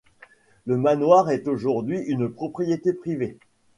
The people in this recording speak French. Le manoir est aujourd’hui une propriété privée.